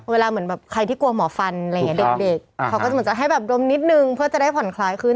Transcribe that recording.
เวลาแบบใครที่กลัวหมอฟันเด็กเขาก็จะให้แบบดมนิดนึงเพื่อจะได้ผ่อนคล้ายขึ้น